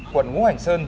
quận ngu hành sơn